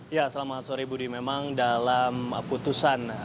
ya selamat sore budi memang dalam putusan